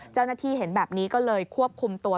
เจ้าหน้าที่เห็นแบบนี้ก็เลยควบคุมตัว